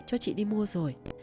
cho chị đi mua rồi